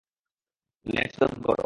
Net, জলদি করো!